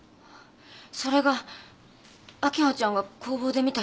それが秋穂ちゃんが工房で見た火の玉。